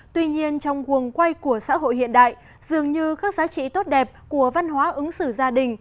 tuy nhiên trong quần quay của xã hội hiện đại dường như các giá trị tốt đẹp của văn hóa ứng xử gia đình